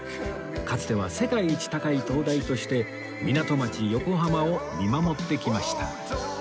かつては世界一高い灯台として港町横浜を見守ってきました